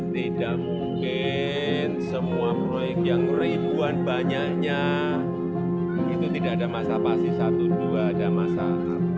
tidak mungkin semua proyek yang ribuan banyaknya itu tidak ada masalah pasti satu dua ada masalah